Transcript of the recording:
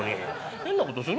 変なことするなよ」。